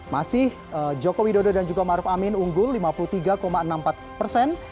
masih joko widodo dan juga maruf amin unggul lima puluh tiga enam puluh empat persen